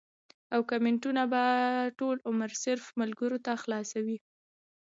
او کمنټونه به ټول عمر صرف ملکرو ته خلاص وي